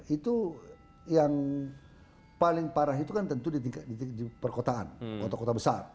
itu yang paling parah itu kan tentu di perkotaan kota kota besar